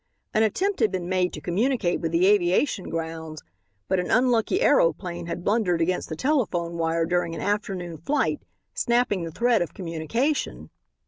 An attempt had been made to communicate with the aviation grounds, but an unlucky aeroplane had blundered against the telephone wire during an afternoon flight, snapping the thread of communication.